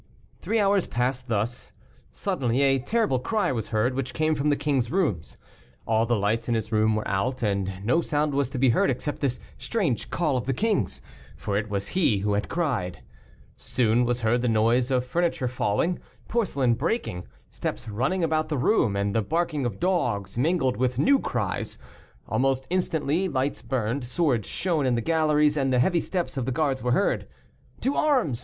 Three hours passed thus. Suddenly, a terrible cry was heard, which came from the king's room. All the lights in his room were out, and no sound was to be heard except this strange call of the king's. For it was he who had cried. Soon was heard the noise of furniture falling, porcelain breaking, steps running about the room, and the barking of dogs mingled with new cries. Almost instantly lights burned, swords shone in the galleries, and the heavy steps of the Guards were heard. "To arms!"